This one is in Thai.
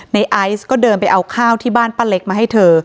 ไอซ์ก็เดินไปเอาข้าวที่บ้านป้าเล็กมาให้เธอ